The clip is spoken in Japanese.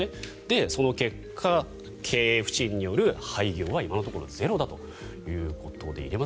その結果、経営不振による廃業は今のところゼロだということです。